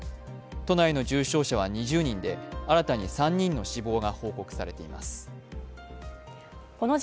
都内の重症者は２０人で新に３人の死亡が報告されています